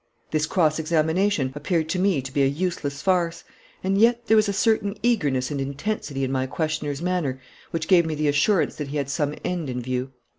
This cross examination appeared to me to be a useless farce; and yet there was a certain eagerness and intensity in my questioner's manner which gave me the assurance that he had some end in view.